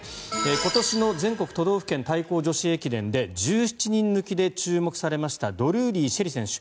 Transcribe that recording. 今年の全国都道府県対抗女子駅伝で１７人抜きで注目されたドルーリー朱瑛里選手。